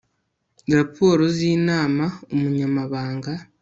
raporo z inama Umunyamabanga